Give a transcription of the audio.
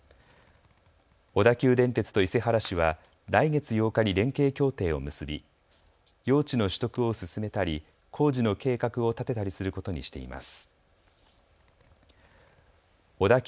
小田急電鉄と伊勢原市は来月８日に連携協定を結び用地の取得を進めたり工事の計画を立てたりすることにしています。